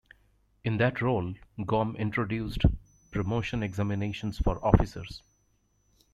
In that role Gomm introduced promotion examinations for officers.